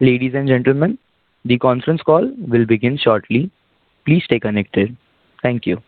Ladies and gentlemen, the conference call will begin shortly. Please stay connected. Thank you.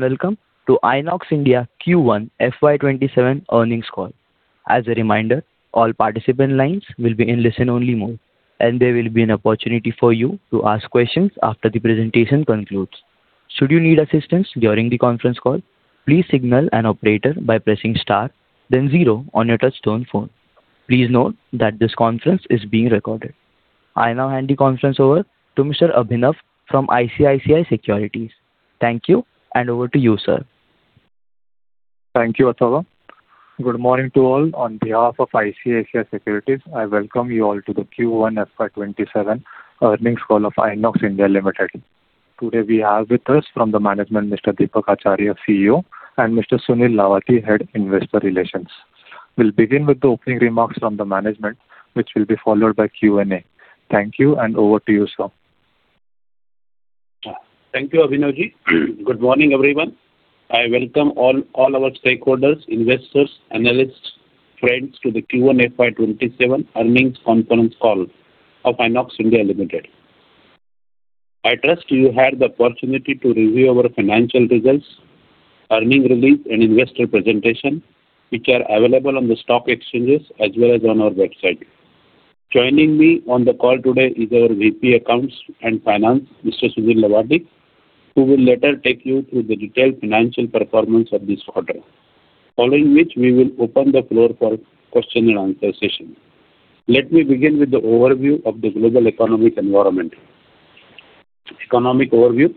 Ladies and gentlemen, good day, and welcome to INOX India Q1 fiscal year 2027 earnings call. As a reminder, all participant lines will be in listen-only mode, and there will be an opportunity for you to ask questions after the presentation concludes. Should you need assistance during the conference call, please signal an operator by pressing star then zero on your touch-tone phone. Please note that this conference is being recorded. I now hand the conference over to Mr. Abhinav from ICICI Securities. Thank you, and over to you, sir. Thank you. Good morning to all. On behalf of ICICI Securities, I welcome you all to the Q1 fiscal year 2027 earnings call of INOX India Limited. Today we have with us from the management Mr. Deepak Acharya, Chief Executive Officer, and Mr. Sunil Lavati, Head, Investor Relations. We will begin with the opening remarks from the management, which will be followed by question-and-answer. Thank you, and over to you, sir. Thank you, Abhinav. Good morning, everyone. I welcome all our stakeholders, investors, analysts, friends to the Q1 fiscal year 2027 earnings conference call of INOX India Limited. I trust you had the opportunity to review our financial results, earning release, and investor presentation, which are available on the stock exchanges as well as on our website. Joining me on the call today is our Vice President of Accounts and Finance, Mr. Sunil Lavati, who will later take you through the detailed financial performance of this quarter. Following which, we will open the floor for question and answer session. Let me begin with the overview of the global economic environment. Economic overview.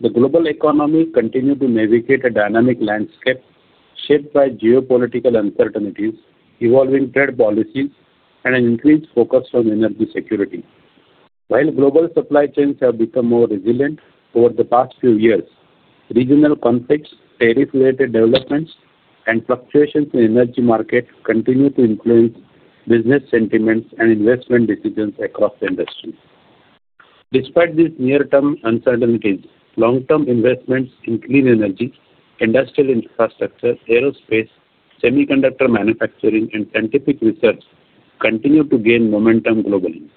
The global economy continued to navigate a dynamic landscape shaped by geopolitical uncertainties, evolving trade policies, and an increased focus on energy security. While global supply chains have become more resilient over the past few years, regional conflicts, tariff-related developments, and fluctuations in energy market continue to influence business sentiments and investment decisions across industries. Despite these near-term uncertainties, long-term investments in clean energy, industrial infrastructure, aerospace, semiconductor manufacturing, and scientific research continue to gain momentum globally.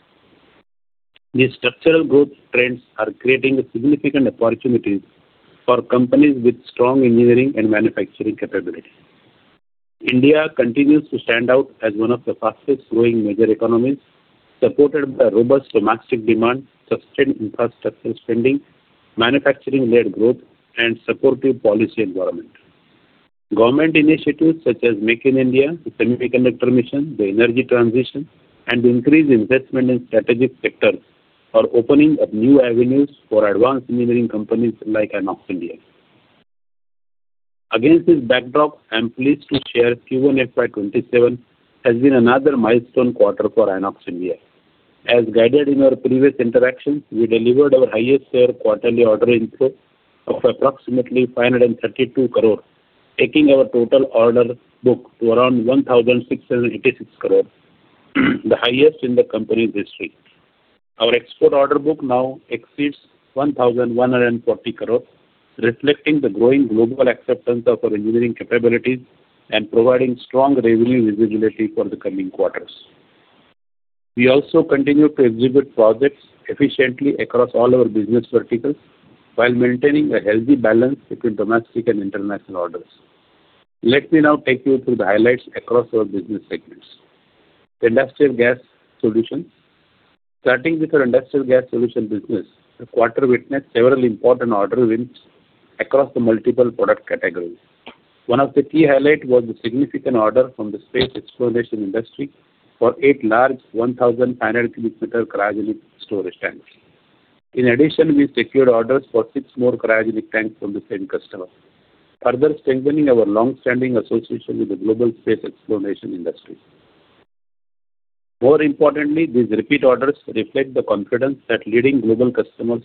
These structural growth trends are creating significant opportunities for companies with strong engineering and manufacturing capabilities. India continues to stand out as one of the fastest-growing major economies, supported by robust domestic demand, sustained infrastructure spending, manufacturing-led growth, and supportive policy environment. Government initiatives such as Make in India, the Semiconductor Mission, the energy transition, and increased investment in strategic sectors are opening up new avenues for advanced engineering companies like INOX India. Against this backdrop, I am pleased to share Q1 fiscal year 2027 has been another milestone quarter for INOX India. As guided in our previous interactions, we delivered our highest ever quarterly order inflow of approximately 532 crore, taking our total order book to around 1,686 crore, the highest in the company's history. Our export order book now exceeds 1,140 crore, reflecting the growing global acceptance of our engineering capabilities and providing strong revenue visibility for the coming quarters. We also continue to execute projects efficiently across all our business verticals while maintaining a healthy balance between domestic and international orders. Let me now take you through the highlights across our business segments. Industrial Gas Solutions. Starting with our Industrial Gas Solutions business, the quarter witnessed several important order wins across the multiple product categories. One of the key highlights was the significant order from the space exploration industry for eight large 1,000 panel cubic meter cryogenic storage tanks. In addition, we secured orders for six more cryogenic tanks from the same customer, further strengthening our longstanding association with the global space exploration industry. More importantly, these repeat orders reflect the confidence that leading global customers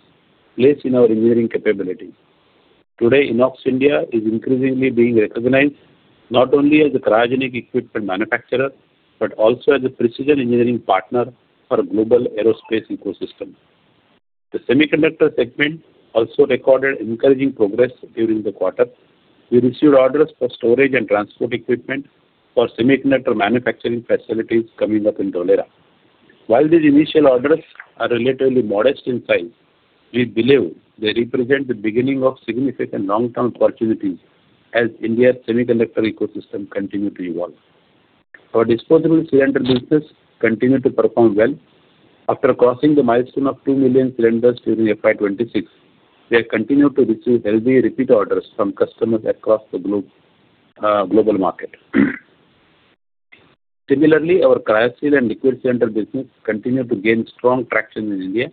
place in our engineering capability. Today, INOX India is increasingly being recognized not only as a cryogenic equipment manufacturer, but also as a precision engineering partner for global aerospace ecosystem. The semiconductor segment also recorded encouraging progress during the quarter. We received orders for storage and transport equipment for semiconductor manufacturing facilities coming up in Dholera. While these initial orders are relatively modest in size, we believe they represent the beginning of significant long-term opportunities as India's semiconductor ecosystem continue to evolve. Our disposable cylinder business continued to perform well. After crossing the milestone of two million cylinders during fiscal year 2026, we have continued to receive healthy repeat orders from customers across the global market. Similarly, our Cryocyl and liquid cylinder business continued to gain strong traction in India.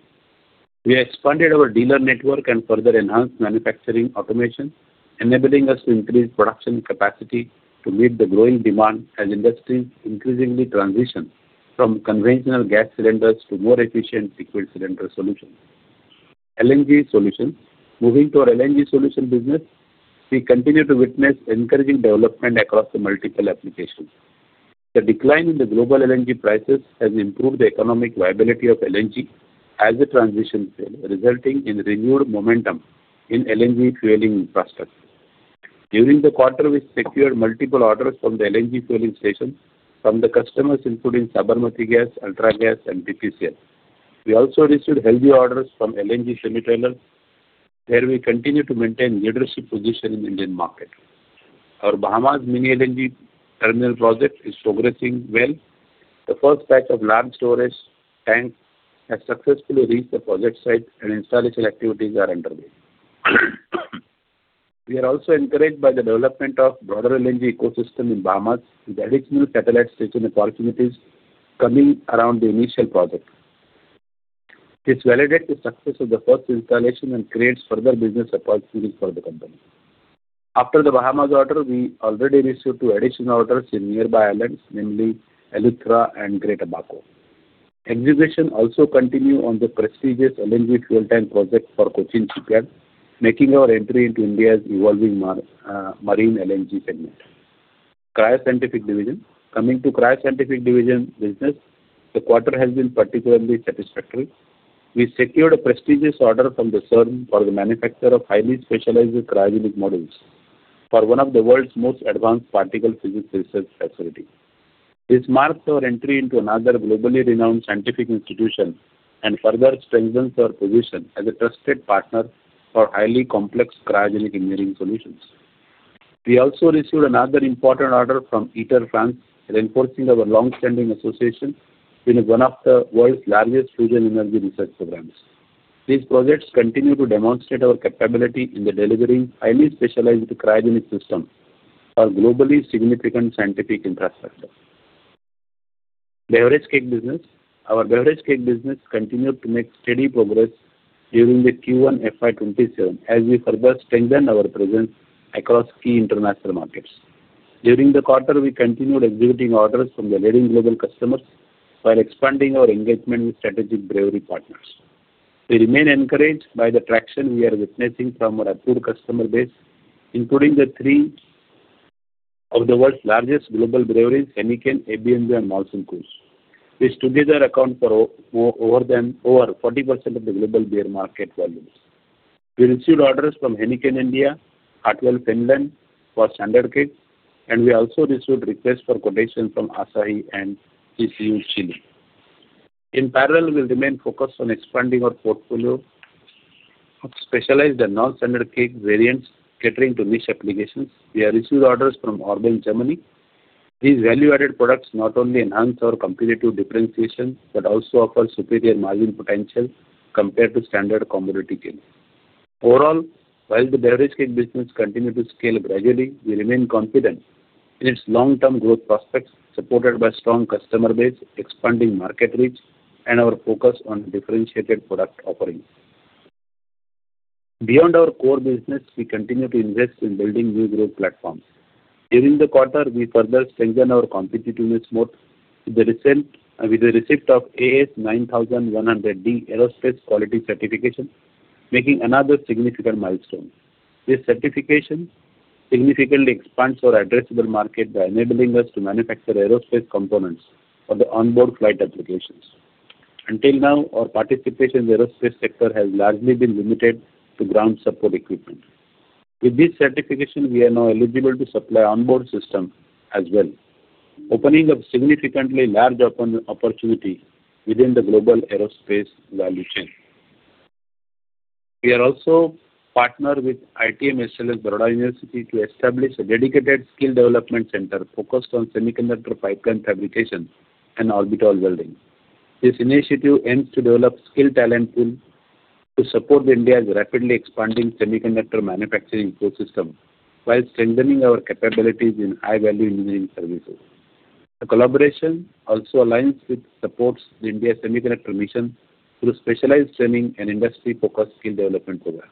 We expanded our dealer network and further enhanced manufacturing automation, enabling us to increase production capacity to meet the growing demand as industries increasingly transition from conventional gas cylinders to more efficient liquid cylinder solutions. LNG Solutions. Moving to our LNG Solutions business, we continue to witness encouraging development across the multiple applications. The decline in the global LNG prices has improved the economic viability of LNG as a transition fuel, resulting in renewed momentum in LNG fuelling infrastructure. During the quarter, we secured multiple orders from the LNG fuelling station from the customers including Sabarmati Gas, Ultra Gas, and BPCL. We also received healthy orders from LNG semi-trailer, where we continue to maintain leadership position in Indian market. Our Bahamas mini LNG terminal project is progressing well. The first batch of large storage tanks has successfully reached the project site, and installation activities are underway. We are also encouraged by the development of broader LNG ecosystem in Bahamas, with additional satellite station opportunities coming around the initial project. This validates the success of the first installation and creates further business opportunities for the company. After the Bahamas order, we already received two additional orders in nearby islands, namely Eleuthera and Great Abaco. Execution also continue on the prestigious LNG fuel tank project for Cochin Shipyard, making our entry into India's evolving marine LNG segment. Cryo-Scientific Division. Coming to Cryo-Scientific Division business, the quarter has been particularly satisfactory. We secured a prestigious order from the CERN for the manufacture of highly specialized cryogenic modules for one of the world's most advanced particle physics research facility. This marks our entry into another globally renowned scientific institution and further strengthens our position as a trusted partner for highly complex cryogenic engineering solutions. We also received another important order from ITER France, reinforcing our long-standing association in one of the world's largest fusion energy research programs. These projects continue to demonstrate our capability in delivering highly specialized cryogenic system for globally significant scientific infrastructure. Beverage keg business. Our beverage keg business continued to make steady progress during the Q1 fiscal year 2027, as we further strengthen our presence across key international markets. During the quarter, we continued executing orders from leading global customers while expanding our engagement with strategic brewery partners. We remain encouraged by the traction we are witnessing from our approved customer base, including three of the world's largest global breweries, Heineken, AB InBev, and Molson Coors. These together account for over 40% of the global beer market volumes. We received orders from Heineken India, Hartwall Finland for standard keg, and we also received request for quotation from Asahi and CCU Chile. In parallel, we remain focused on expanding our portfolio of specialized and non-standard keg variants catering to niche applications. We have received orders from Orbel Germany. These value-added products not only enhance our competitive differentiation, but also offer superior margin potential compared to standard commodity keg. Overall, while the beverage keg business continue to scale gradually, we remain confident in its long-term growth prospects, supported by strong customer base, expanding market reach, and our focus on differentiated product offerings. Beyond our core business, we continue to invest in building new growth platforms. During the quarter, we further strengthened our competitiveness moat with the receipt of AS9100D aerospace quality certification, making another significant milestone. This certification significantly expands our addressable market by enabling us to manufacture aerospace components for onboard flight applications. Until now, our participation in the aerospace sector has largely been limited to ground support equipment. With this certification, we are now eligible to supply onboard system as well, opening up significantly large opportunity within the global aerospace value chain. We are also partner with ITM SLS Baroda University to establish a dedicated skill development center focused on semiconductor pipeline fabrication and orbital welding. This initiative aims to develop skill talent pool to support India's rapidly expanding semiconductor manufacturing ecosystem while strengthening our capabilities in high-value engineering services. The collaboration also aligns with supports the India Semiconductor Mission through specialized training and industry-focused skill development programs.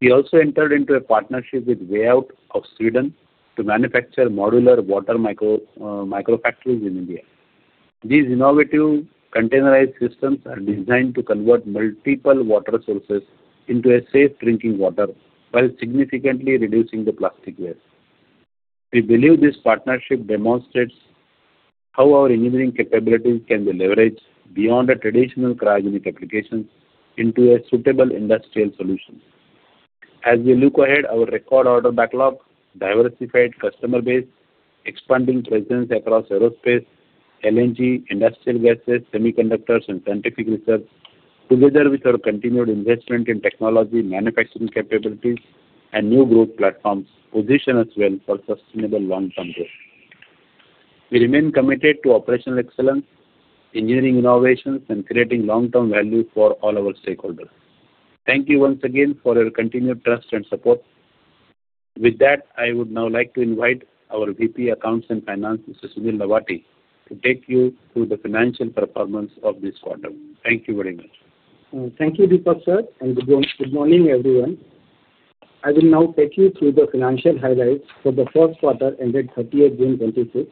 We also entered into a partnership with WAYOUT of Sweden to manufacture modular water microfactories in India. These innovative containerized systems are designed to convert multiple water sources into safe drinking water while significantly reducing the plastic waste. We believe this partnership demonstrates how our engineering capabilities can be leveraged beyond the traditional cryogenic applications into a suitable industrial solution. As we look ahead, our record order backlog, diversified customer base, expanding presence across aerospace, LNG, industrial gases, semiconductors, and scientific research, together with our continued investment in technology, manufacturing capabilities, and new growth platforms, position us well for sustainable long-term growth. We remain committed to operational excellence, engineering innovations, and creating long-term value for all our stakeholders. Thank you once again for your continued trust and support. With that, I would now like to invite our Vice President of Accounts and Finance, Mr. Sunil Lavati, to take you through the financial performance of this quarter. Thank you very much. Thank you, Deepak, and good morning, everyone. I will now take you through the financial highlights for the first quarter ended June 30th, 2026.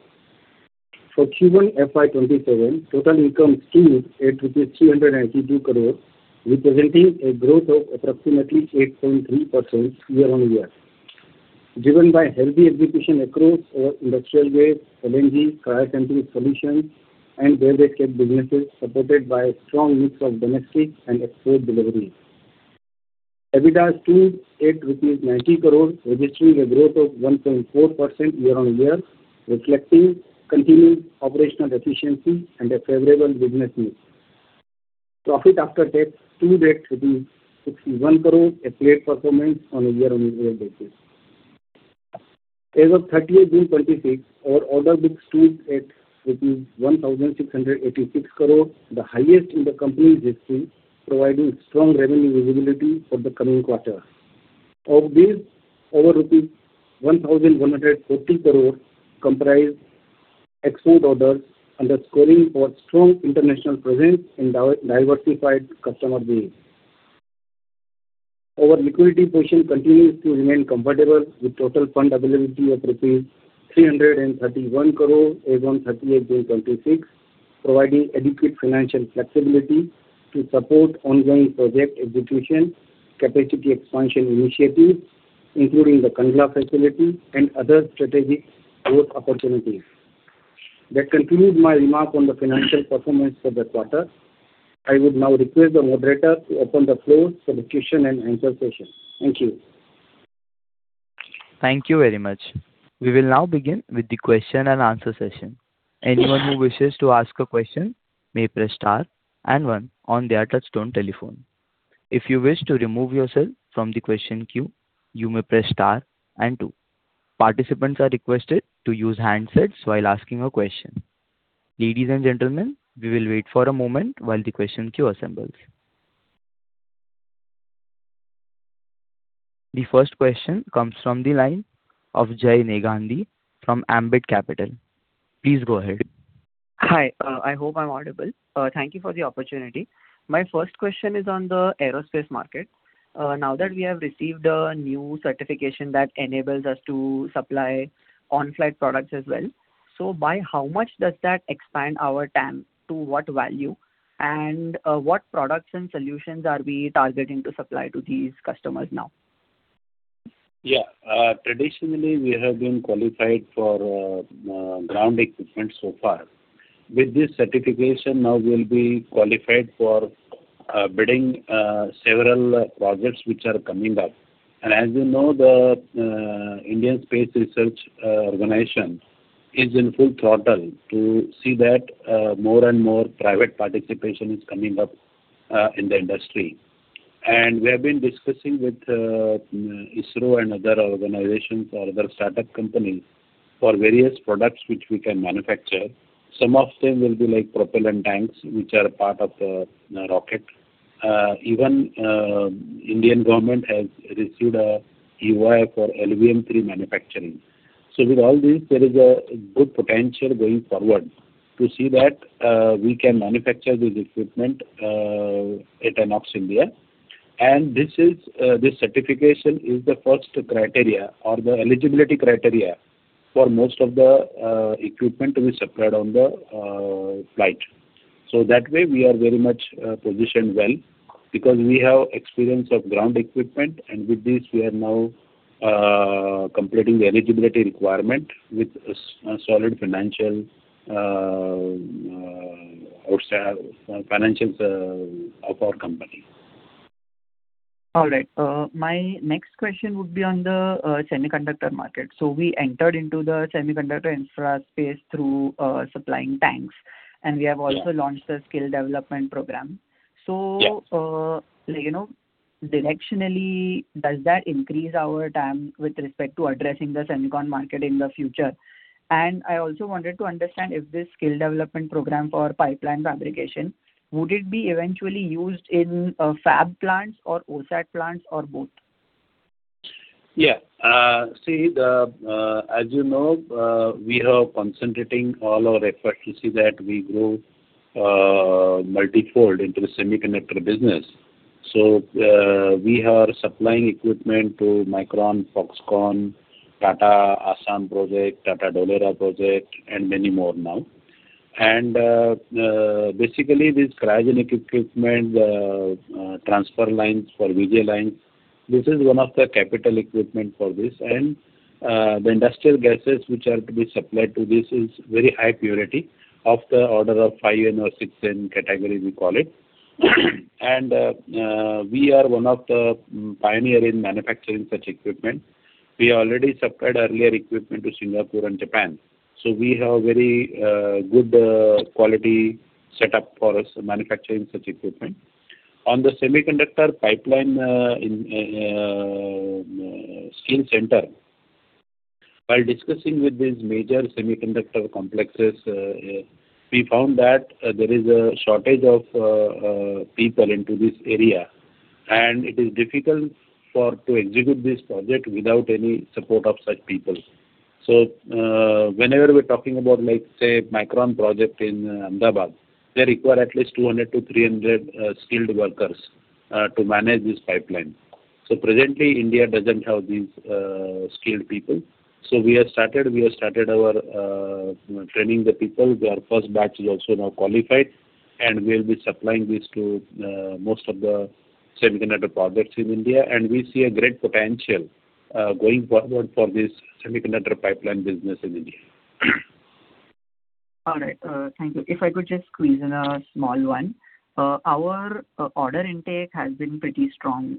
For Q1 fiscal year 2027, total income stood at 382 crore, representing a growth of approximately 8.3% year-on-year, driven by healthy execution across our industrial gas, LNG, cryogenics solutions, and railway keg businesses, supported by a strong mix of domestic and export deliveries. EBITDA stood at 90 crore, registering a growth of 1.4% year-on-year, reflecting continued operational efficiency and a favorable business mix. Profit after tax stood at 61 crore, a great performance on a year-on-year basis. As of June 30th, 2026, our order book stood at 1,686 crore, the highest in the company's history, providing strong revenue visibility for the coming quarters. Of this, over rupees 1,140 crore comprise export orders, underscoring our strong international presence and diversified customer base. Our liquidity position continues to remain comfortable, with total fund availability of rupees 331 crore as on June 30th, 2026, providing adequate financial flexibility to support ongoing project execution, capacity expansion initiatives, including the Kandla facility and other strategic growth opportunities. That concludes my remarks on the financial performance for the quarter. I would now request the moderator to open the floor for the question-and-answer session. Thank you. Thank you very much. We will now begin with the question-and-answer session. Anyone who wishes to ask a question may press star and one on their touchtone telephone. If you wish to remove yourself from the question queue, you may press star and two. Participants are requested to use handsets while asking a question. Ladies and gentlemen, we will wait for a moment while the question queue assembles. The first question comes from the line of Jay Negandhi from Ambit Capital. Please go ahead. Hi. I hope I'm audible. Thank you for the opportunity. My first question is on the aerospace market. Now that we have received a new certification that enables us to supply on-flight products as well, by how much does that expand our TAM, to what value, and what products and solutions are we targeting to supply to these customers now? Yeah. Traditionally, we have been qualified for ground equipment so far. With this certification, now we'll be qualified for bidding several projects which are coming up. As you know, the Indian Space Research Organisation is in full throttle to see that more and more private participation is coming up in the industry. We have been discussing with ISRO and other organizations or other startup companies for various products which we can manufacture. Some of them will be propellant tanks, which are part of the rocket. Even Indian government has received an EoI for LVM3 manufacturing. With all this, there is a good potential going forward to see that we can manufacture this equipment at INOX India. This certification is the first criteria or the eligibility criteria for most of the equipment to be supplied on the flight. That way, we are very much positioned well because we have experience of ground equipment, and with this, we are now completing the eligibility requirement with a solid financials of our company. All right. My next question would be on the semiconductor market. We entered into the semiconductor infra space through supplying tanks. Launched a skill development program. Directionally, does that increase our TAM with respect to addressing the semicon market in the future? I also wanted to understand if this skill development program for pipeline fabrication, would it be eventually used in fab plants or OSAT plants or both? Yeah. As you know, we are concentrating all our efforts to see that we grow multifold into the semiconductor business. We are supplying equipment to Micron, Foxconn, Tata Assam project, Tata Dholera project, and many more now. Basically, this cryogenic equipment, transfer lines for VGL lines, this is one of the capital equipment for this. The industrial gases, which are to be supplied to this, is very high purity, of the order of 5N or 6N category, we call it. We are one of the pioneer in manufacturing such equipment. We already supplied earlier equipment to Singapore and Japan, so we have very good quality set up for us manufacturing such equipment. On the semiconductor pipeline skill center, while discussing with these major semiconductor complexes, we found that there is a shortage of people into this area. It is difficult to execute this project without any support of such people. Whenever we're talking about, say, Micron project in Ahmedabad, they require at least 200 skilled workers-300 skilled workers to manage this pipeline. Presently, India doesn't have these skilled people, so we have started our training the people. Their first batch is also now qualified, and we'll be supplying this to most of the semiconductor projects in India. We see a great potential going forward for this semiconductor pipeline business in India. All right. Thank you. If I could just squeeze in a small one. Our order intake has been pretty strong,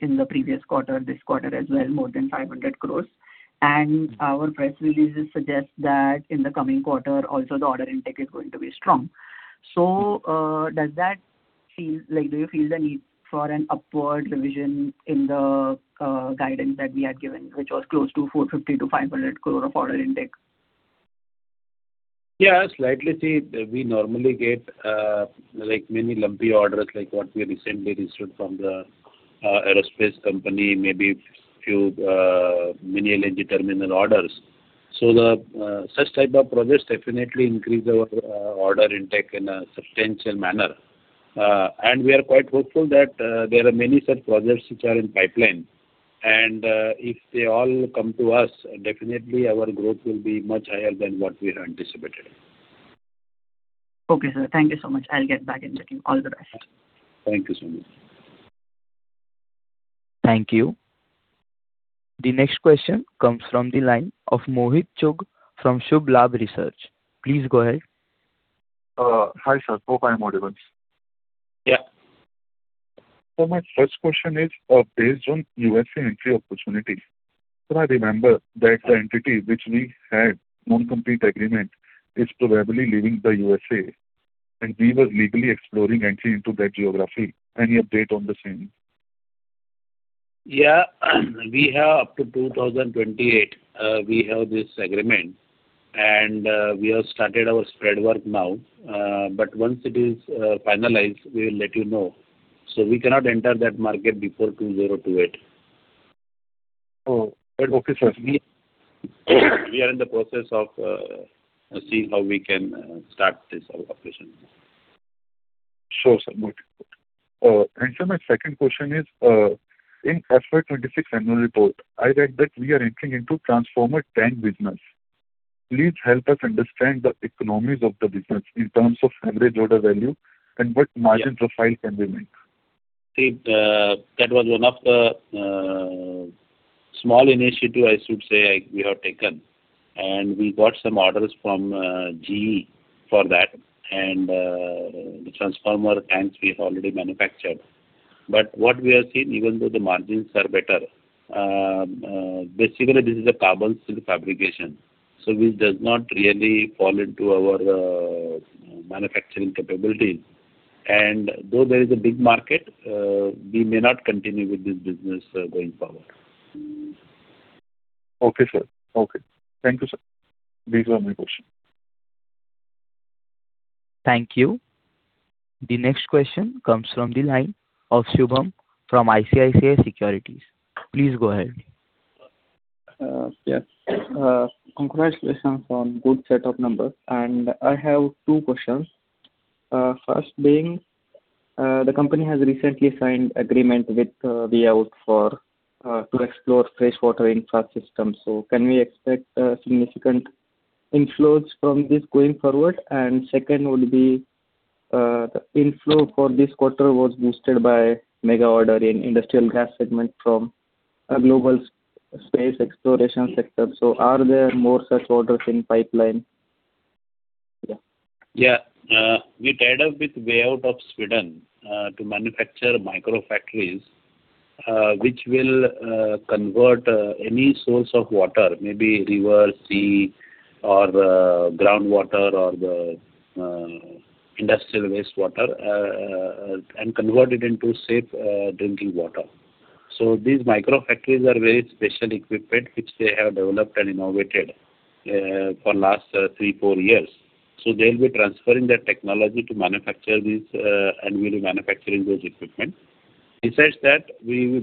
in the previous quarter, this quarter as well, more than 500 crore. Our press releases suggest that in the coming quarter also, the order intake is going to be strong. Do you feel the need for an upward revision in the guidance that we had given, which was close to 450 crore-500 crore of order intake? Yeah, slightly. See, we normally get many lumpy orders, like what we recently received from the aerospace company, maybe few mini LNG terminal orders. Such type of projects definitely increase our order intake in a substantial manner. We are quite hopeful that there are many such projects which are in pipeline. If they all come to us, definitely our growth will be much higher than what we had anticipated. Okay, sir. Thank you so much. I'll get back in touch. All the best. Thank you so much. Thank you. The next question comes from the line of Mohit Chugh from Shubhlabh Research. Please go ahead. Hi, sir. Hope I am audible. Yeah. My first question is, based on U.S. entry opportunity. I remember that the entity which we had non-compete agreement is probably leaving the U.S., and we were legally exploring entry into that geography. Any update on the same? Yeah. We have up to 2028, we have this agreement. We have started our spread work now. Once it is finalized, we will let you know. We cannot enter that market before 2028. Oh, okay, sir. We are in the process of seeing how we can start this operation. Sure, sir. Very good. Sir, my second question is, in fiscal year 2026 annual report, I read that we are entering into transformer tank business. Please help us understand the economics of the business in terms of average order value and what margins profile can we make? See, that was one of the small initiative, I should say, we have taken. We got some orders from GE for that, the transformer tanks we have already manufactured. What we are seeing, even though the margins are better, basically this is a carbon steel fabrication, so this does not really fall into our manufacturing capabilities. Though there is a big market, we may not continue with this business going forward. Okay, sir. Okay. Thank you, sir. These were my questions. Thank you. The next question comes from the line of Shubham from ICICI Securities. Please go ahead. Congratulations on good set of numbers. I have two questions. First being, the company has recently signed agreement with Wayout to explore freshwater infrastructure system. Can we expect significant inflows from this going forward? Second would be, the inflow for this quarter was boosted by mega order in industrial gas segment from a global space exploration sector. Are there more such orders in pipeline? We tied up with Wayout of Sweden to manufacture micro factories, which will convert any source of water, maybe river, sea, or groundwater, or the industrial wastewater, and convert it into safe drinking water. These micro factories are very special equipment which they have developed and innovated for last three, four years. They'll be transferring their technology to manufacture this, and we'll be manufacturing those equipment. Besides that, we will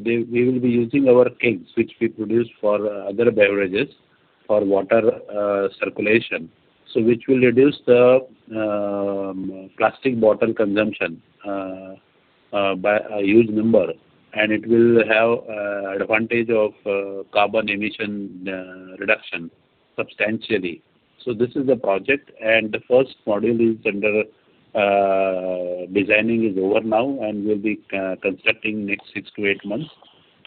be using our tanks, which we produce for other beverages, for water circulation, which will reduce the plastic bottle consumption by a huge number, and it will have advantage of carbon emission reduction substantially. This is the project, and the first module's designing is over now, and we'll be constructing next six to eight months,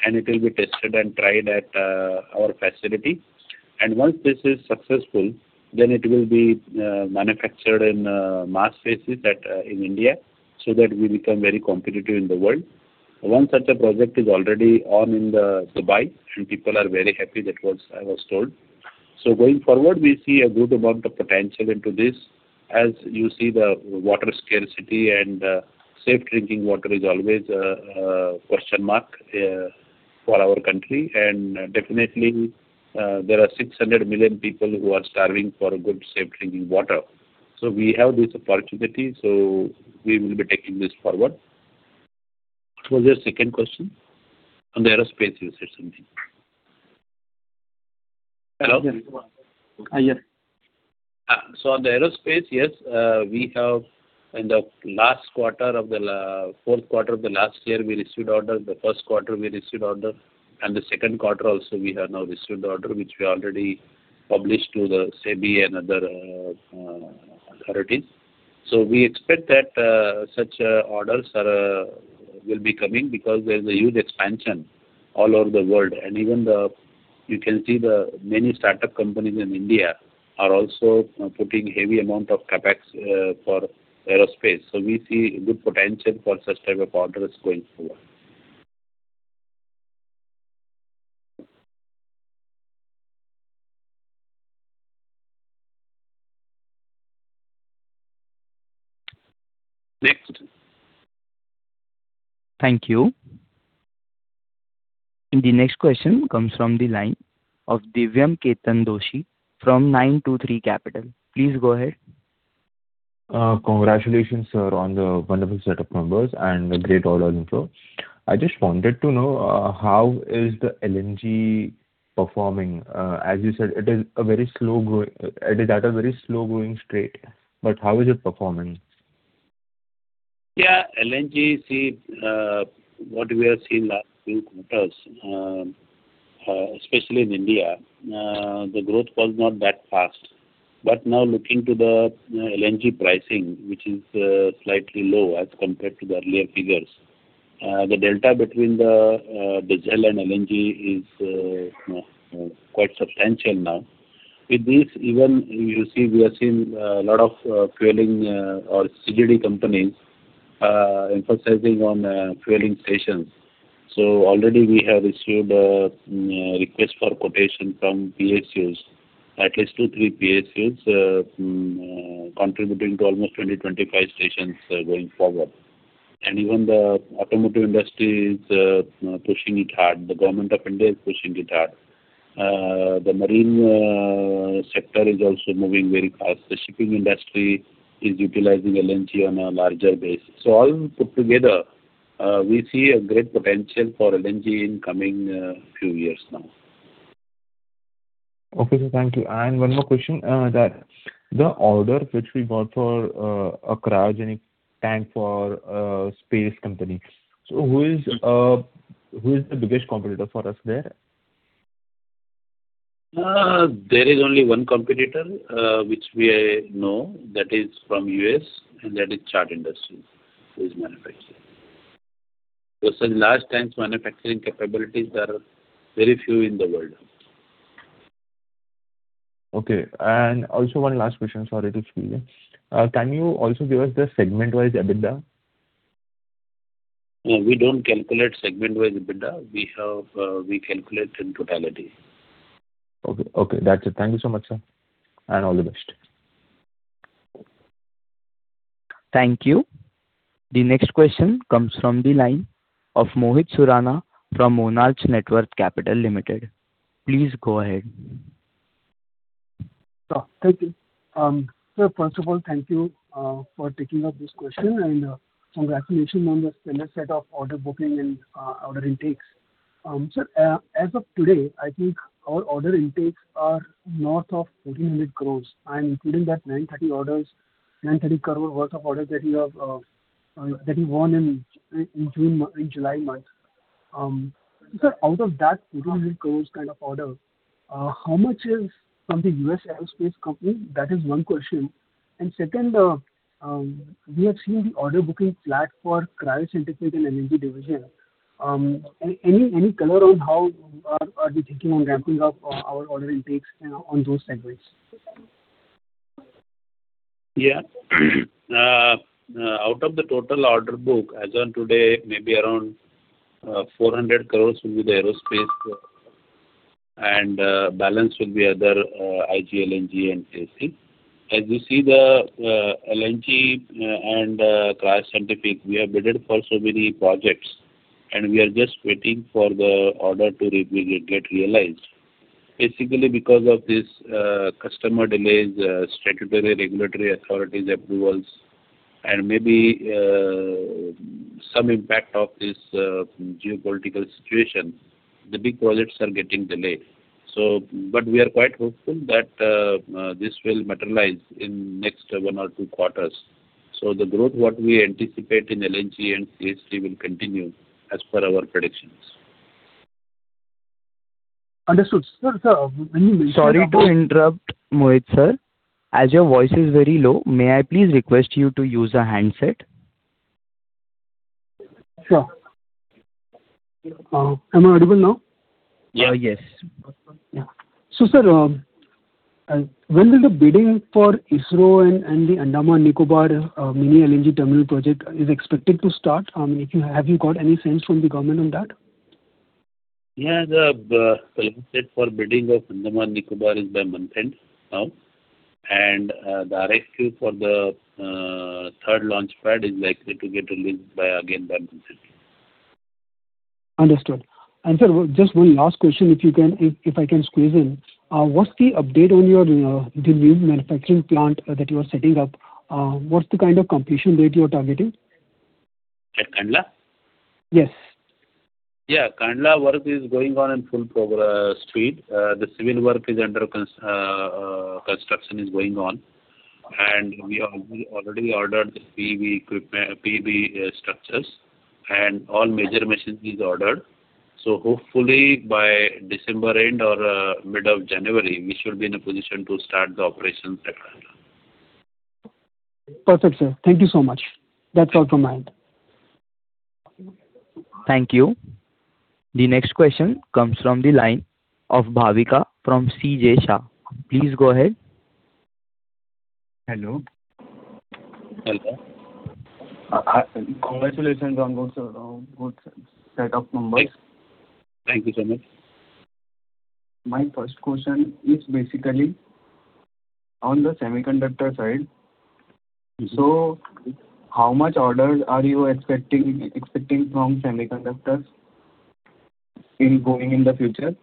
and it will be tested and tried at our facility. Once this is successful, it will be manufactured in mass phases in India so that we become very competitive in the world. One such a project is already on in Dubai, and people are very happy, that I was told. Going forward, we see a good amount of potential into this. As you see, the water scarcity and safe drinking water is always a question mark for our country. Definitely, there are 600 million people who are starving for good, safe drinking water. We have this opportunity, so we will be taking this forward. What was your second question? On the aerospace, you said something. Hello? On the aerospace, yes, we have in the fourth quarter of the last year, we received orders, the first quarter we received order, and the second quarter also, we have now received the order, which we already published to the SEBI and other authorities. We expect that such orders will be coming because there's a huge expansion all over the world, and even you can see the many startup companies in India are also putting heavy amount of CapEx for aerospace. We see good potential for such type of orders going forward. Next. Thank you. The next question comes from the line of Divyam Ketan Doshi from 923 Capital. Please go ahead. Congratulations, sir, on the wonderful set of numbers and the great order inflow. I just wanted to know, how is the LNG performing? As you said, it is at a very slow-growing state, but how is it performing? LNG, what we have seen last few quarters, especially in India, the growth was not that fast. Now looking to the LNG pricing, which is slightly low as compared to the earlier figures, the delta between the diesel and LNG is quite substantial now. With this, even you see we are seeing a lot of fuelling or CGD companies emphasizing on fuelling stations. Already we have received a request for quotation from PSUs, at least two, three PSUs contributing to almost 20 stations, 25 stations going forward. Even the automotive industry is pushing it hard. The Government of India is pushing it hard. The marine sector is also moving very fast. The shipping industry is utilizing LNG on a larger basis. All put together, we see a great potential for LNG in coming few years now. Okay, sir. Thank you. One more question. The order which we got for a cryogenic tank for a space company. Who is the biggest competitor for us there? There is only one competitor, which we know, that is from U.S., that is Chart Industries, who is manufacturing. For such large tanks manufacturing capabilities are very few in the world. Okay. Also one last question. Sorry to squeeze in. Can you also give us the segment-wise EBITDA? No, we don't calculate segment-wise EBITDA. We calculate in totality. Okay. That's it. Thank you so much, sir. All the best. Thank you. The next question comes from the line of Mohit Surana from Monarch Networth Capital Limited. Please go ahead. Thank you. Sir, first of all, thank you, for taking up this question, and congratulations on the stellar set of order booking and order intakes. Sir, as of today, I think our order intakes are north of 4,000 crore, including that 930 crore worth of orders that you won in July month. Sir, out of that 400 crore kind of order, how much is from the U.S. aerospace company? That is one question. Second, we have seen the order booking flat for cryogenically and LNG division. Any color on how are we thinking on ramping up our order intakes on those segments? Yeah. Out of the total order book, as on today, maybe around 400 crore will be the aerospace, and balance will be other IG, LNG, and AC. You see the LNG and cryogenically, we have bidded for so many projects. We are just waiting for the order to get realized. Basically, because of these customer delays, statutory regulatory authorities approvals, and maybe some impact of this geopolitical situation, the big projects are getting delayed. We are quite hopeful that this will materialize in next one or two quarters. The growth that we anticipate in LNG and CSD will continue as per our predictions. Understood. Sir. Sorry to interrupt, Mohit, sir. Your voice is very low, may I please request you to use a handset? Sure. Am I audible now? Yes. sir, when will the bidding for ISRO and the Andaman Nicobar mini LNG terminal project is expected to start? Have you got any sense from the government on that? Yeah. The solicitation for bidding of Andaman Nicobar is by month-end now. The RFQ for the third launch pad is likely to get released by, again, by month-end. Understood. sir, just one last question, if I can squeeze in. What's the update on your new manufacturing plant that you are setting up? What's the kind of completion date you're targeting? At Kandla? Yes. Yeah. Kandla work is going on in full speed. The civil work under construction is going on. We have already ordered the PEB structures, and all major machines is ordered. Hopefully by December end or mid of January, we should be in a position to start the operations at Kandla. Perfect, sir. Thank you so much. That's all from my end. Thank you. The next question comes from the line of Bhavika Shah from C.J. Shah. Please go ahead. Hello. Hello. Congratulations on good set of numbers. Thank you so much. My first question is basically on the semiconductor side. How much orders are you expecting from semiconductors in going in the future?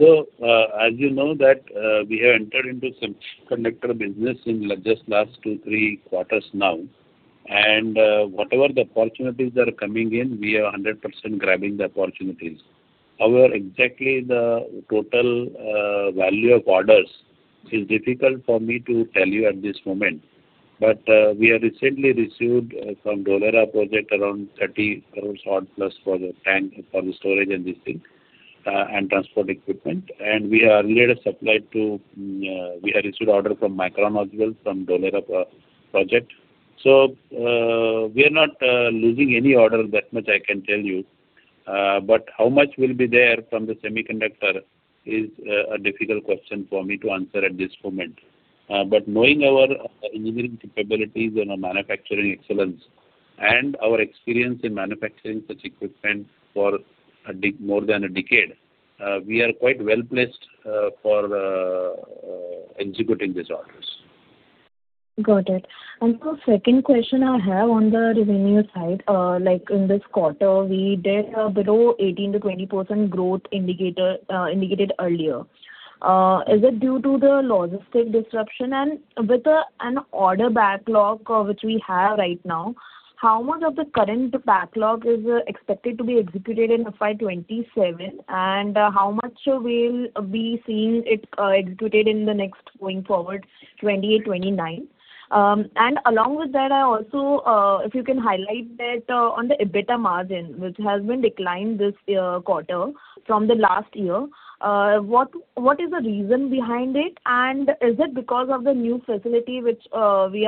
As you know that we have entered into semiconductor business in just last two, three quarters now. Whatever the opportunities that are coming in, we are 100% grabbing the opportunities. Exactly the total value of orders is difficult for me to tell you at this moment. We have recently received from Dholera project around 30 crore odd plus for the tank, for the storage and this thing, and transport equipment. We have received order from Micron as well, from Dholera project. We are not losing any order, that much I can tell you. How much will be there from the semiconductor is a difficult question for me to answer at this moment. Knowing our engineering capabilities and our manufacturing excellence, and our experience in manufacturing such equipment for more than a decade, we are quite well-placed for executing these orders. Got it. Sir, second question I have on the revenue side. Like in this quarter, we did below 18%-20% growth indicated earlier. Is it due to the logistic disruption? With an order backlog which we have right now, how much of the current backlog is expected to be executed in fiscal year 2027, and how much we'll be seeing it executed in the next, going forward, 2028/2029? Along with that, also if you can highlight that on the EBITDA margin, which has been declined this quarter from the last year. What is the reason behind it, and is it because of the new facility which we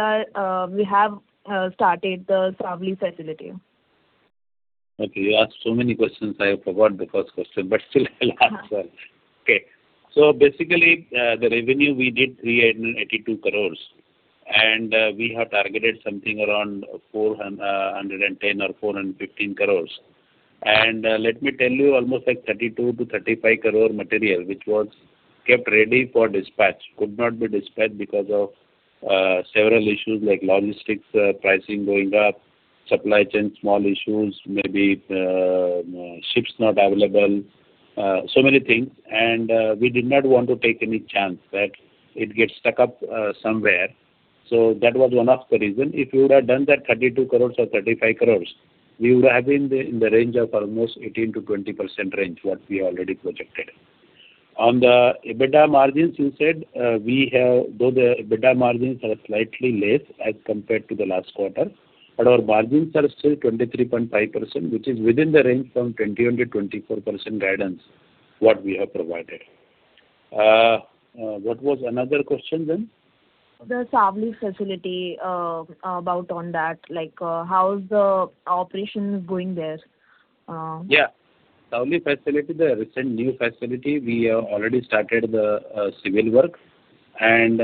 have started, the Savli facility? Okay. You asked so many questions, I have forgot the first question, but still I'll answer. Okay. Basically, the revenue, we did 382 crore, and we have targeted something around 410 crore or 415 crore. Let me tell you, almost like 32 crore-35 crore material, which was kept ready for dispatch, could not be dispatched because of several issues like logistics pricing going up, supply chain small issues, maybe ships not available. Many things. We did not want to take any chance that it gets stuck up somewhere. That was one of the reason. If we would have done that 32 crore or 35 crore, we would have been in the range of almost 18%-20% range, what we already projected. On the EBITDA margins, you said, though the EBITDA margins are slightly less as compared to the last quarter, our margins are still 23.5%, which is within the range from 20%-24% guidance, what we have provided. What was another question then? The Savli facility, about on that. How's the operations going there? Yeah. Savli facility, the recent new facility, we have already started the civil work, and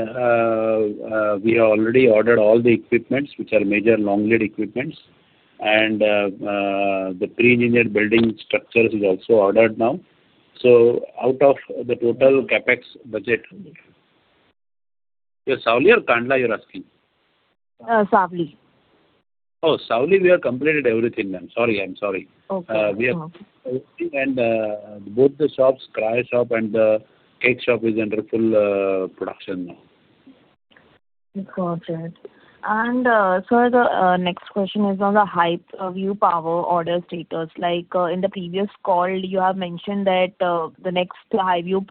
we have already ordered all the equipment, which are major long lead equipment, and the Pre-Engineered Building structures is also ordered now. Out of the total CapEx budget You're Savli or Kandla you're asking? Savli. Oh, Savli we have completed everything. I'm sorry. Okay. We have everything and both the shops, Cryo shop and the keg shop is under full production now. Got it. Sir, the next question is on the Highview Power order status. In the previous call, you have mentioned that the next Highview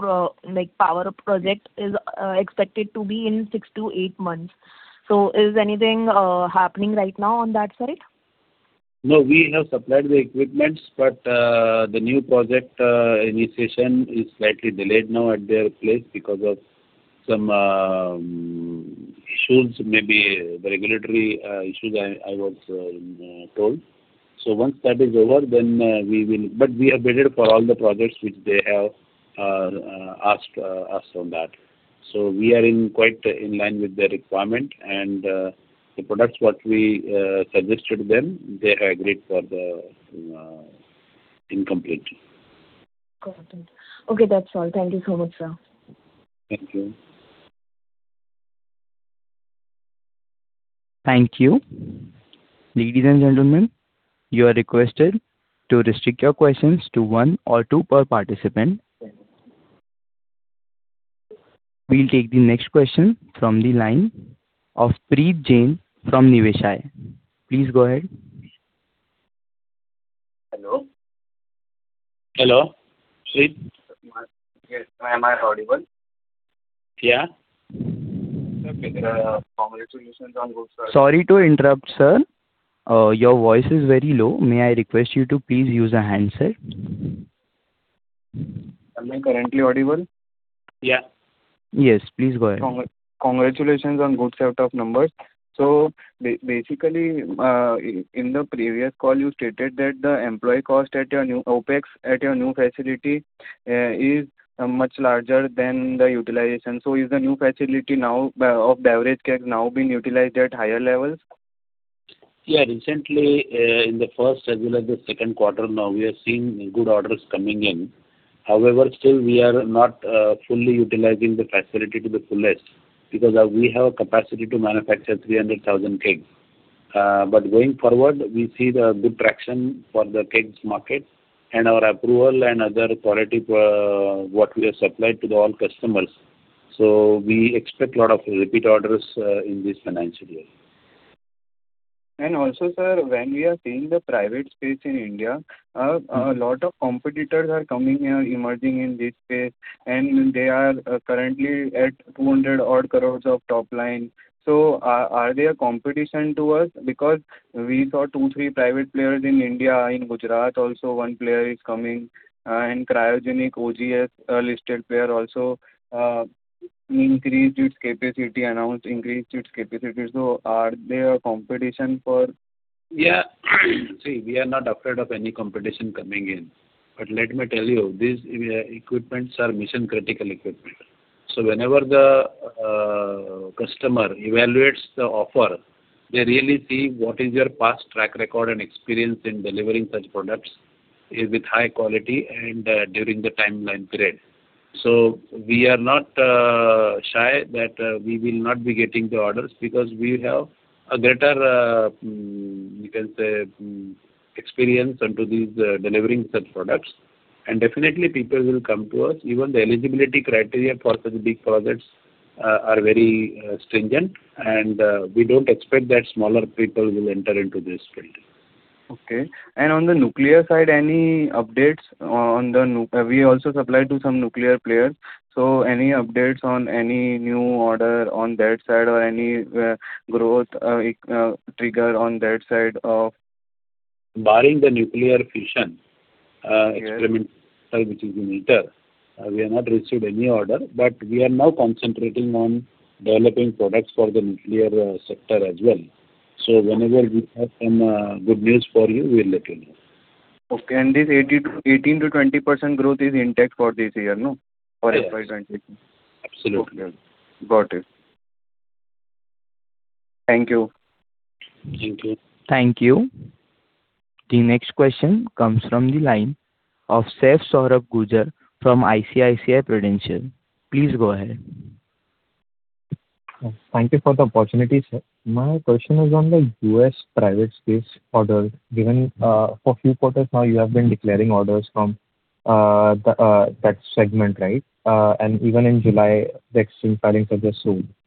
Power project is expected to be in six to eight months. Is anything happening right now on that side? No, we have supplied the equipments, but the new project initiation is slightly delayed now at their place because of some issues, maybe the regulatory issues, I was told. We have bid for all the projects which they have asked us on that. We are quite in line with their requirement and the products what we suggested to them, they have agreed in complete. Got it. Okay. That's all. Thank you so much, sir. Thank you. Thank you. Ladies and gentlemen, you are requested to restrict your questions to one or two per participant. We will take the next question from the line of Preet Jain from Niveshaay. Please go ahead. Hello? Hello, Preet. Yes. Am I audible? Yeah. Okay. Congratulations on good sir- Sorry to interrupt, sir. Your voice is very low. May I request you to please use a handset? Am I currently audible? Yeah. Yes, please go ahead. Congratulations on good set of numbers. Basically, in the previous call, you stated that the employee cost, your new OpEx at your new facility is much larger than the utilization. Is the new facility of beverage keg now being utilized at higher levels? Yeah. Recently, in the first as well as the second quarter now, we are seeing good orders coming in. However, still we are not fully utilizing the facility to the fullest because we have a capacity to manufacture 300,000 kegs. Going forward, we see the good traction for the kegs market and our approval and other quality, what we have supplied to all customers. We expect lot of repeat orders in this financial year. Also, sir, when we are seeing the private space in India, a lot of competitors are coming here, emerging in this space, and they are currently at 200 odd crore of top line. Are they a competition to us? Because we saw two, three private players in India. In Gujarat also, one player is coming. Cryogenic OGS, a listed player also increased its capacity, announced increased its capacity. Are they a competition for Yeah. See, we are not afraid of any competition coming in. Let me tell you, these equipments are mission critical equipment. Whenever the customer evaluates the offer, they really see what is your past track record and experience in delivering such products with high quality and during the timeline period. We are not shy that we will not be getting the orders because we have a greater, you can say, experience into these delivering such products. Definitely people will come to us. Even the eligibility criteria for such big projects are very stringent, and we don't expect that smaller people will enter into this field. Okay. On the nuclear side, any updates? We also supply to some nuclear players, any updates on any new order on that side or any growth trigger on that side of Barring the nuclear fission experimental which is in ITER, we have not received any order. We are now concentrating on developing products for the nuclear sector as well. Whenever we have some good news for you, we'll let you know. Okay. This 18%-20% growth is intact for this year, no? For fiscal year 2020? Absolutely. Okay. Got it. Thank you. Thank you. Thank you. The next question comes from the line of Saif Sohrab Gujar from ICICI Prudential. Please go ahead. Thank you for the opportunity, sir. My question is on the U.S. private space orders. Even in July, the exchange filings are there,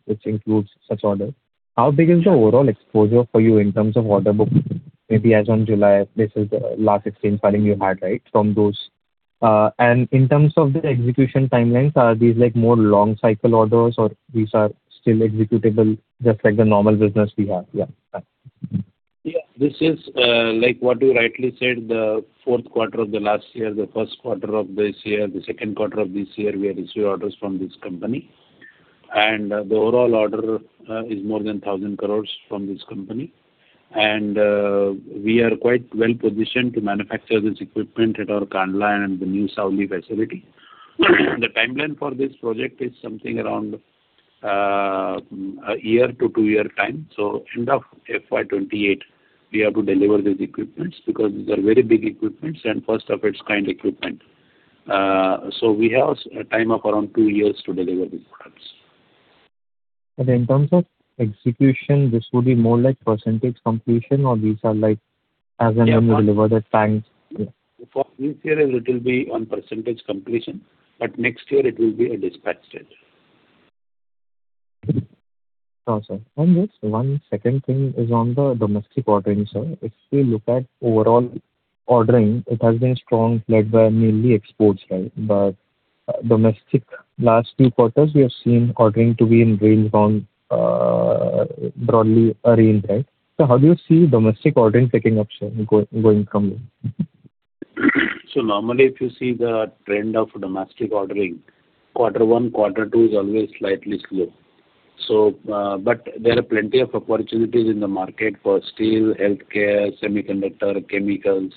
which includes such orders. How big is your overall exposure for you in terms of order booking? Maybe as on July, this is the last exchange filing you had, right, from those. In terms of the execution timelines, are these more long cycle orders or these are still executable just like the normal business we have? Yeah. Yeah. This is like what you rightly said, the fourth quarter of the last year, the first quarter of this year, the second quarter of this year, we have received orders from this company. The overall order is more than 1,000 crore from this company. We are quite well-positioned to manufacture this equipment at our Kandla and the new Savli facility. The timeline for this project is something around a year to two year time. End of fiscal year 2028, we have to deliver these equipments because these are very big equipments and first of its kind equipment. We have a time of around two years to deliver these products. In terms of execution, this will be more like percentage completion or these are like as and when you deliver the tanks. For this year, it will be on percentage completion, but next year it will be a dispatch stage. Sure, sir. Just one second thing is on the domestic ordering, sir. If we look at overall ordering, it has been strong, led by mainly exports, right? Domestic, last few quarters, we have seen ordering to be in range or broadly a range, right? How do you see domestic ordering picking up, sir, going from here? Normally, if you see the trend of domestic ordering, quarter one, quarter two is always slightly slow. There are plenty of opportunities in the market for steel, healthcare, semiconductor, chemicals,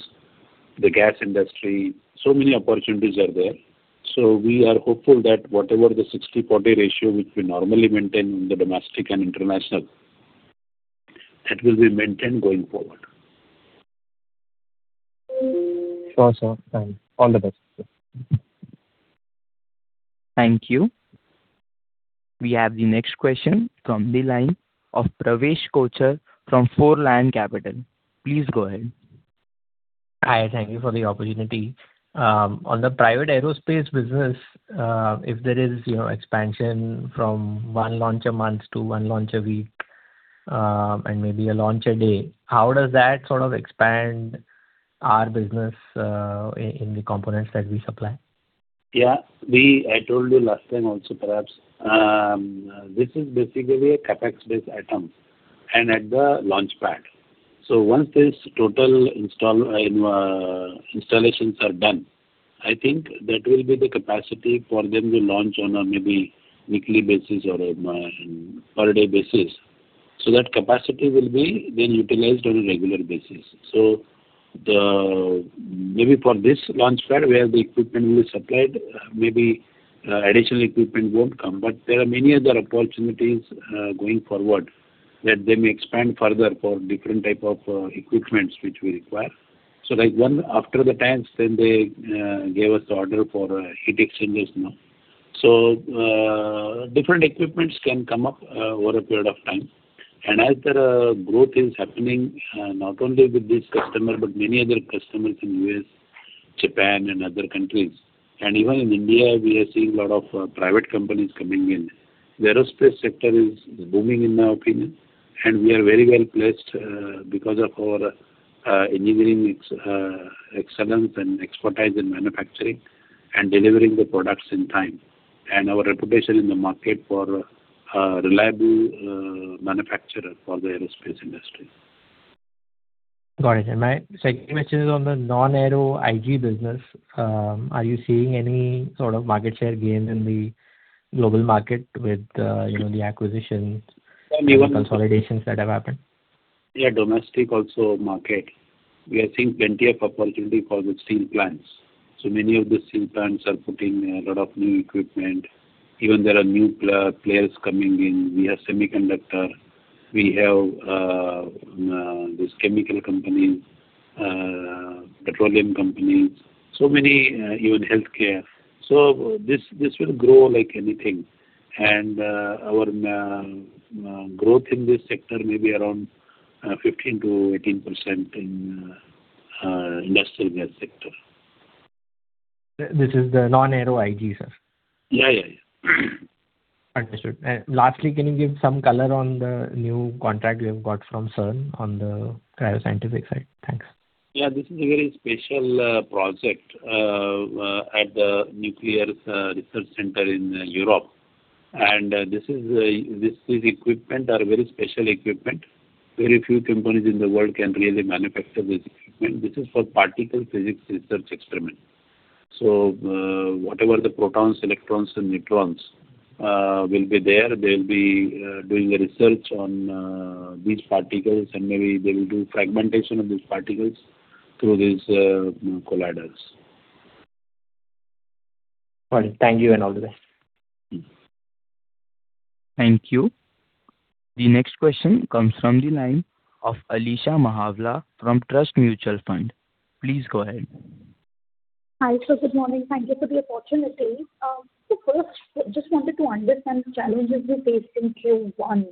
the gas industry. Many opportunities are there. We are hopeful that whatever the 60:40 ratio, which we normally maintain in the domestic and international, that will be maintained going forward. Sure, sir. All the best. Thank you. We have the next question from the line of Pravesh Kochar from FourLion Capital. Please go ahead. Hi, thank you for the opportunity. On the private aerospace business, if there is expansion from one launch a month to one launch a week, and maybe a launch a day, how does that sort of expand our business in the components that we supply? Yeah. I told you last time also, perhaps. This is basically a CapEx-based item and at the launch pad. Once these total installations are done, I think that will be the capacity for them to launch on a maybe weekly basis or per day basis. That capacity will be then utilized on a regular basis. Maybe for this launch pad where the equipment will be supplied, maybe additional equipment won't come, but there are many other opportunities going forward that they may expand further for different type of equipments, which we require. Like after the tanks, then they gave us the order for heat exchangers now. Different equipments can come up over a period of time. As their growth is happening, not only with this customer, but many other customers in U.S., Japan, and other countries. Even in India, we are seeing lot of private companies coming in. The aerospace sector is booming in my opinion, and we are very well-placed because of our engineering excellence and expertise in manufacturing, and delivering the products in time, and our reputation in the market for a reliable manufacturer for the aerospace industry. Got it. My second question is on the non-aero IG business. Are you seeing any sort of market share gain in the global market with the acquisitions- Yeah consolidations that have happened? Yeah. Domestic also market, we are seeing plenty of opportunity for the steel plants. Many of the steel plants are putting a lot of new equipment. Even there are new players coming in. We have semiconductor, we have these chemical companies, petroleum companies, even healthcare. This will grow like anything. Our growth in this sector may be around 15%-18% in industrial gas sector. This is the non-aero IG, sir? Yeah. Understood. Lastly, can you give some color on the new contract you have got from CERN on the Cryo-Scientific side? Thanks. Yeah. This is a very special project at the nuclear research center in Europe. These equipment are very special equipment. Very few companies in the world can really manufacture this equipment. This is for particle physics research experiment. Whatever the protons, electrons, and neutrons will be there, they'll be doing a research on these particles, and maybe they will do fragmentation of these particles through these colliders. Got it. Thank you and all the best. Thank you. The next question comes from the line of Alisha Mahawla from Trust Mutual Fund. Please go ahead. Hi, sir. Good morning. Thank you for the opportunity. First, just wanted to understand the challenges you faced in Q1.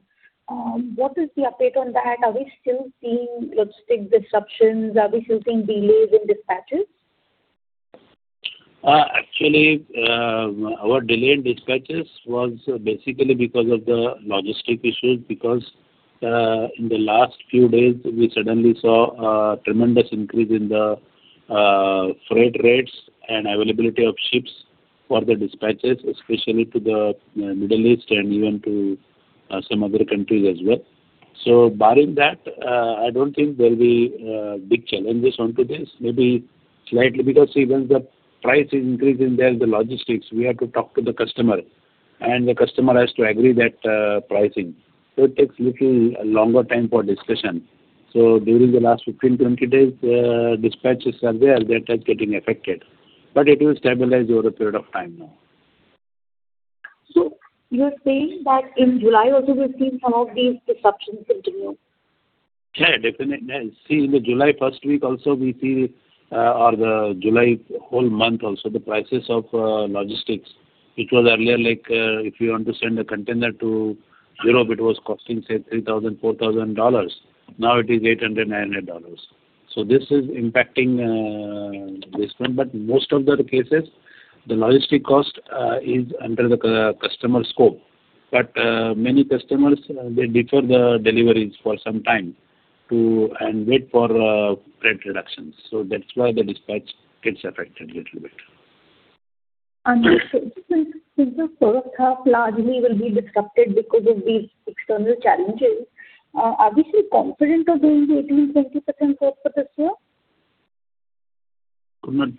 What is the update on that? Are we still seeing logistic disruptions? Are we still seeing delays in dispatches? Actually, our delayed dispatches was basically because of the logistic issues, because in the last few days, we suddenly saw a tremendous increase in the freight rates and availability of ships for the dispatches, especially to the Middle East and even to some other countries as well. Barring that, I don't think there'll be big challenges onto this. Maybe slightly, because even the price is increasing, there's the logistics. We have to talk to the customer, and the customer has to agree that pricing. It takes little longer time for discussion. During the last 15 days, 20 days, dispatches are there. That has getting affected. It will stabilize over a period of time now. You're saying that in July also we've seen some of these disruptions continue. Yeah, definitely. See, in the July 1st week also, we see or the July whole month also, the prices of logistics, which was earlier like if you want to send a container to Europe, it was costing, say, $3,000, $4,000. Now it is $800, $900. This is impacting this one. Most of the cases, the logistic cost is under the customer scope. Many customers, they defer the deliveries for some time and wait for freight reductions. That's why the dispatch gets affected a little bit. Understood. Since the first half largely will be disrupted because of these external challenges, are we still confident of doing the 18%-20% growth for this year? Could not hear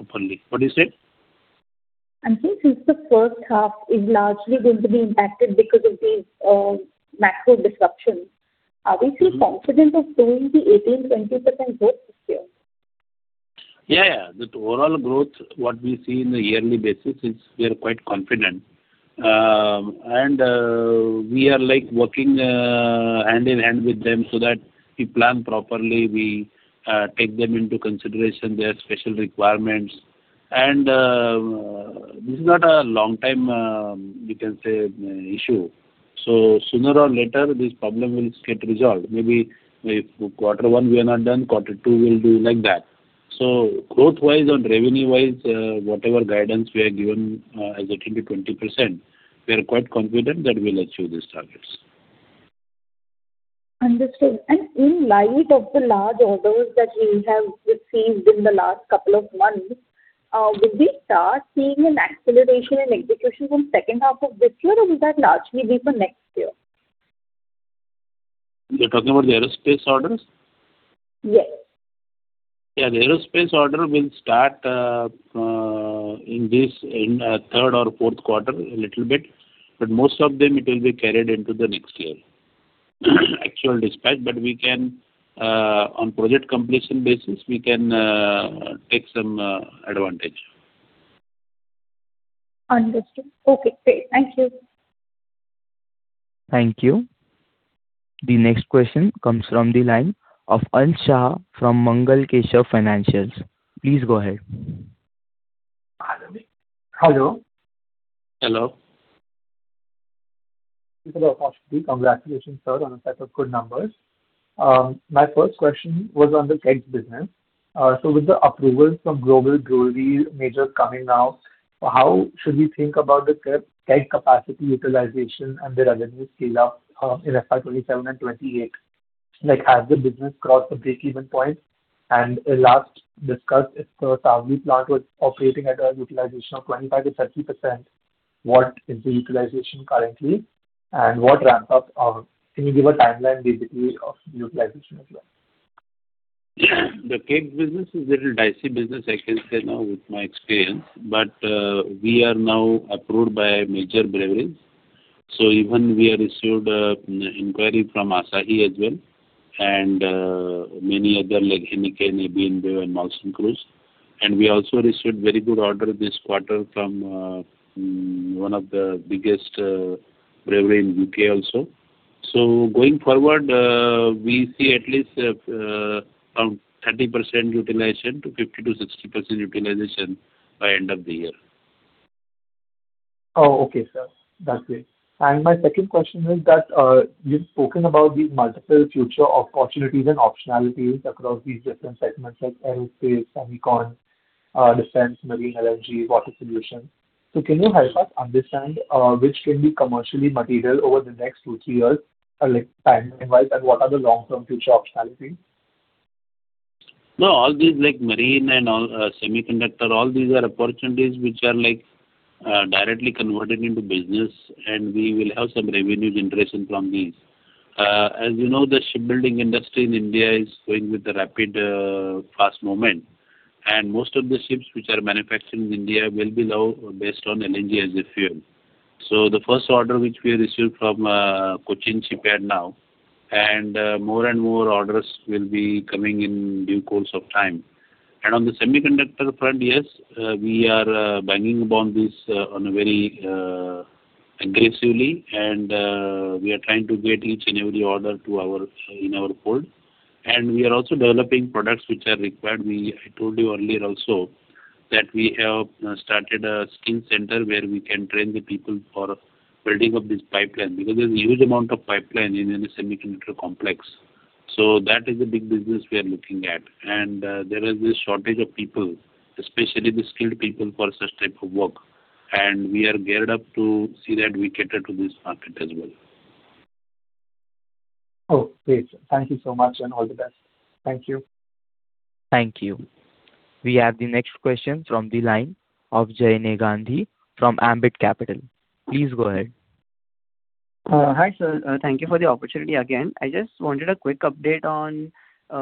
openly. What you said? Since the first half is largely going to be impacted because of these macro disruptions, are we still confident of doing the 18%-20% growth this year? Yeah. The overall growth, what we see in the yearly basis is we are quite confident. We are working hand in hand with them so that we plan properly, we take them into consideration, their special requirements. This is not a long time, we can say, issue. Sooner or later, this problem will get resolved. Maybe if quarter one we are not done, quarter two we'll do. Like that. Growth-wise or revenue-wise, whatever guidance we have given as 18%-20%, we are quite confident that we will achieve these targets. Understood. In light of the large orders that we have received in the last couple of months, will we start seeing an acceleration in execution from second half of this year, or will that largely be for next year? You're talking about the aerospace orders? Yes. Yeah, the aerospace order will start in third quarter or fourth quarter a little bit, most of them, it will be carried into the next year. Actual dispatch. On project completion basis, we can take some advantage. Understood. Okay, great. Thank you. Thank you. The next question comes from the line of Ansh Shah from Mangal Keshav Financials. Please go ahead. Hello. Hello. Thank you for the opportunity. Congratulations, sir, on a set of good numbers. My first question was on the keg business. With the approvals from global brewery majors coming now, how should we think about the keg capacity utilization and the revenue scale-up in fiscal year 2027 and fiscal year 2028? Like, has the business crossed the breakeven point? Last, discuss if the Savli plant was operating at a utilization of 25%-30%, what is the utilization currently, and can you give a timeline vis-a-vis of utilization as well? The keg business is a little dicey business, I can say now with my experience. We are now approved by major breweries. Even we have received inquiry from Asahi as well, and many other like Heineken, Anheuser-Busch InBev, and Molson Coors. We also received very good order this quarter from one of the biggest brewery in U.K. also. Going forward, we see at least from 30% utilization to 50%-60% utilization by end of the year. Okay, sir. That's great. My second question is that you've spoken about these multiple future opportunities and optionalities across these different segments like aerospace, semicon, defense, marine, LNG, water solutions. Can you help us understand which can be commercially material over the next two, three years, like timeline-wise, and what are the long-term future optionalities? No, all these like marine and semiconductor, all these are opportunities which are directly converted into business, and we will have some revenues generation from these. As you know, the shipbuilding industry in India is going with a rapid fast moment, and most of the ships which are manufactured in India will be now based on LNG as a fuel. The first order, which we received from Cochin Shipyard now, and more and more orders will be coming in due course of time. On the semiconductor front, yes, we are banging on this very aggressively, and we are trying to get each and every order in our fold. We are also developing products which are required. I told you earlier also that we have started a skill center where we can train the people for building up this pipeline, because there's a huge amount of pipeline in any semiconductor complex. That is a big business we are looking at. There is this shortage of people, especially the skilled people for such type of work. We are geared up to see that we cater to this market as well. Great. Thank you so much, and all the best. Thank you. Thank you. We have the next question from the line of Jay Negandhi from Ambit Capital. Please go ahead. Hi, sir. Thank you for the opportunity again. I just wanted a quick update on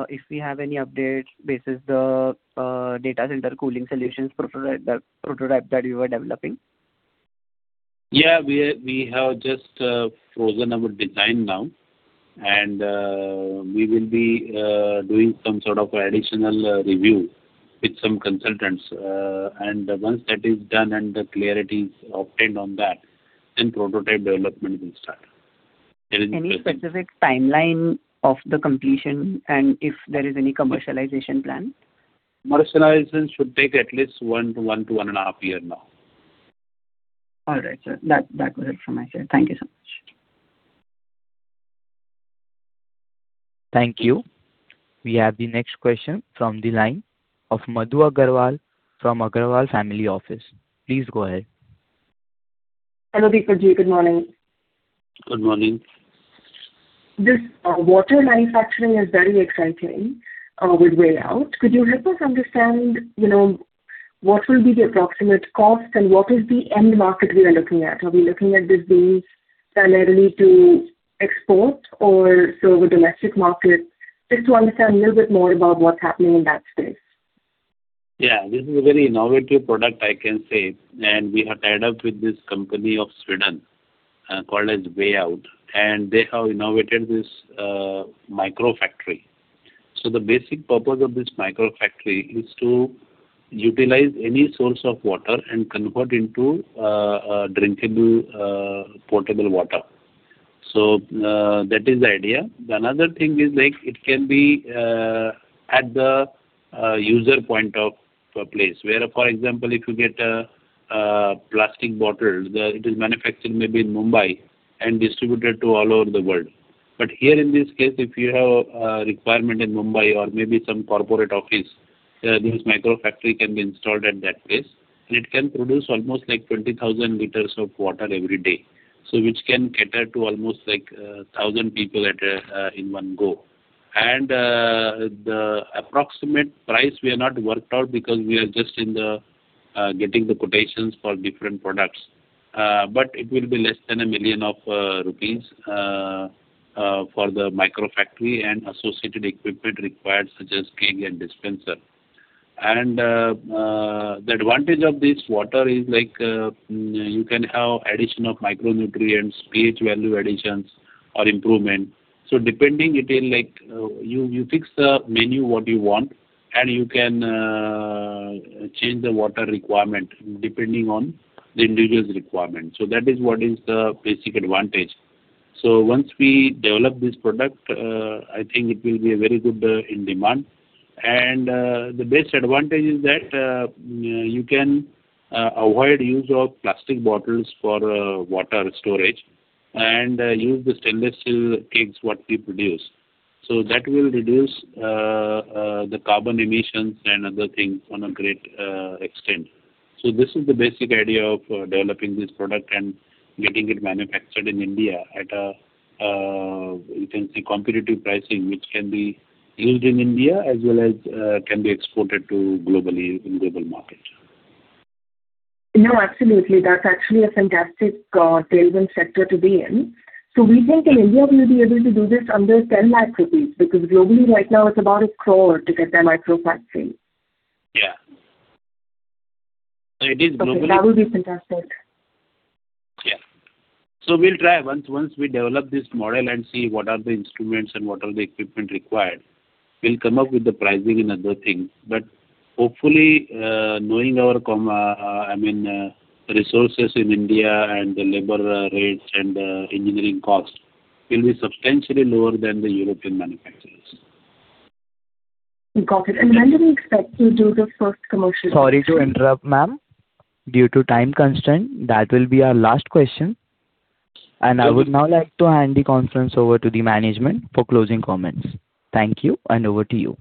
if we have any updates basis the data center cooling solutions prototype that you were developing. Yeah, we have just frozen our design now. We will be doing some sort of additional review with some consultants. Once that is done and the clarity is obtained on that, then prototype development will start. Any specific timeline of the completion and if there is any commercialization plan? Commercialization should take at least one to 1.5 years now. All right, sir. That was it from my side. Thank you so much. Thank you. We have the next question from the line of Madhu Aggarwal from Aggarwal Family Office. Please go ahead. Hello, Deepak. Good morning. Good morning. This water manufacturing is very exciting with Wayout. Could you help us understand what will be the approximate cost and what is the end market we are looking at? Are we looking at this being primarily to export or serve a domestic market? Just to understand a little bit more about what's happening in that space. Yeah. This is a very innovative product, I can say. We have tied up with this company of Sweden, called as Wayout, and they have innovated this microfactory. The basic purpose of this microfactory is to utilize any source of water and convert into drinkable, potable water. That is the idea. Another thing is, it can be at the user point of a place where, for example, if you get a plastic bottle, it is manufactured maybe in Mumbai and distributed to all over the world. Here in this case, if you have a requirement in Mumbai or maybe some corporate office, this microfactory can be installed at that place, and it can produce almost 20,000 liters of water every day. Which can cater to almost 1,000 people in one go. The approximate price we have not worked out because we are just in the getting the quotations for different products. It will be less than 1 million rupees for the microfactory and associated equipment required, such as keg and dispenser. The advantage of this water is you can have addition of micronutrients, pH value additions or improvement. Depending, it will. You fix the menu, what you want, and you can change the water requirement depending on the individual's requirement. That is what is the basic advantage. Once we develop this product, I think it will be very good in demand. The best advantage is that you can avoid use of plastic bottles for water storage and use the stainless steel kegs what we produce. That will reduce the carbon emissions and other things on a great extent. This is the basic idea of developing this product and getting it manufactured in India at a, you can say, competitive pricing, which can be used in India as well as can be exported globally in global market. No, absolutely. That's actually a fantastic tailwind sector to be in. We think in India, we'll be able to do this under 10 lakh rupees, because globally right now it's about 1 crore to get a microfactory. Yeah. It is globally- Okay. That would be fantastic. Yeah. We'll try once we develop this model and see what are the instruments and what are the equipment required. We'll come up with the pricing and other things. Hopefully, knowing our resources in India and the labor rates and the engineering cost will be substantially lower than the European manufacturers. Got it. When do we expect to do the first commercial- Sorry to interrupt, ma'am. Due to time constraint, that will be our last question. I would now like to hand the conference over to the management for closing comments. Thank you, over to you.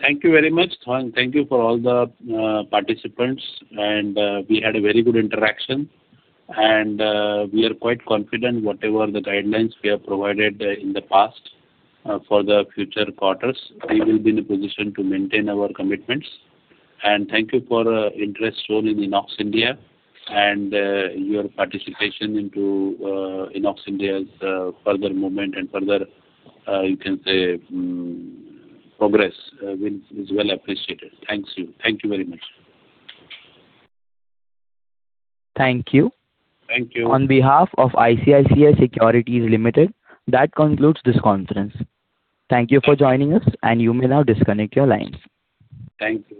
Thank you very much. Thank you for all the participants, we had a very good interaction. We are quite confident whatever the guidelines we have provided in the past, for the future quarters, we will be in a position to maintain our commitments. Thank you for interest shown in INOX India and your participation into INOX India's further movement and further, you can say, progress is well appreciated. Thanks to you. Thank you very much. Thank you. Thank you. On behalf of ICICI Securities Limited, that concludes this conference. Thank you for joining us, and you may now disconnect your lines. Thank you.